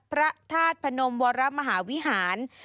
พระธาตุพนมวรมหาวิหาร